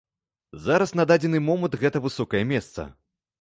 Зараз на дадзены момант гэта высокае месца.